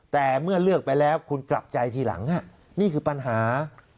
แต่เมื่อเลือกไปแล้วคุณกลับใจทีหลังนี่คือปัญหา